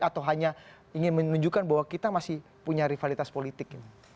atau hanya ingin menunjukkan bahwa kita masih punya rivalitas politik